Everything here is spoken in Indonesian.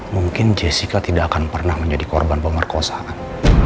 mungkin jessica tidak akan pernah menjadi korban pemerkosaan